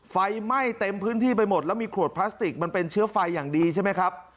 ไฟไหม้เต็มพื้นที่ไปหมดแล้วมีขวดพลาสติกมันเป็นเชื้อไฟอย่างดีใช่ไหมครับ